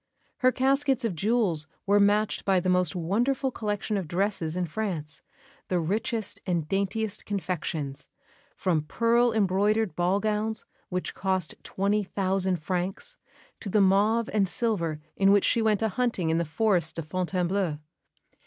Her caskets of jewels were matched by the most wonderful collection of dresses in France, the richest and daintiest confections, from pearl embroidered ball gowns which cost twenty thousand francs to the mauve and silver in which she went a hunting in the forest of Fontainebleau.